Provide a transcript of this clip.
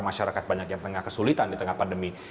masyarakat banyak yang tengah kesulitan di tengah pandemi